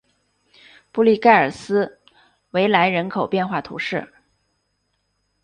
布利盖尔斯维莱人口变化图示